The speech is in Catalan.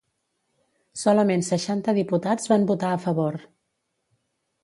Solament seixanta diputats van votar a favor.